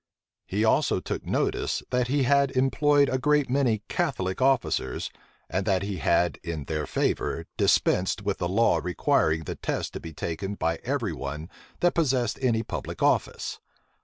He also took notice that he had employed a great many Catholic officers, and that he had, in their favor, dispensed with the law requiring the test to be taken by every one that possessed any public office.